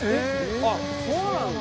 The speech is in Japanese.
あっそうなんだ！